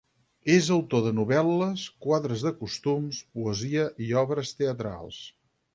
És autor de novel·les, quadres de costums, poesia i obres teatrals.